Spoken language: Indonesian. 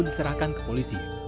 diserahkan ke polisi